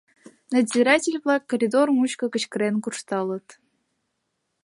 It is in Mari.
Надзиратель-влак коридор мучко кычкырен куржталыт.